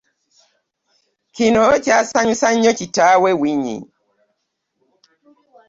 Kino kyasanyusa nnyo kitaawe Winyi.